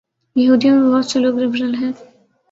یہودیوں میں بہت سے لوگ لبرل ہیں۔